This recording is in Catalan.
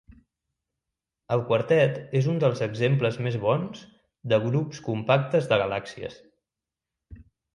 El quartet és un dels exemples més bons de grups compactes de galàxies.